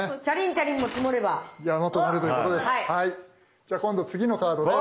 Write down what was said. じゃあ今度次のカードです。